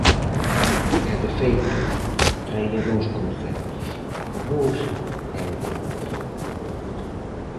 E, de feito, traía dous conceptos, a favor e en contra.